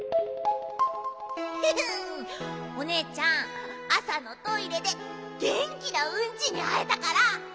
フフフおねえちゃんあさのトイレでげんきなうんちにあえたからうれしいの！